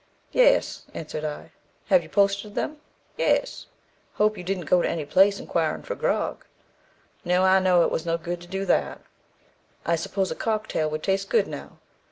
'Yes,' answered I. 'Have you posted them?' 'Yes.' 'Hope you didn't go to any place inquiring for grog.' 'No, I knowed it was no good to do that.' 'I suppose a cock tail would taste good now.'